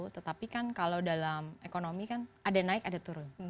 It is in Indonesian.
tetapi kan kalau dalam ekonomi kan ada naik ada turun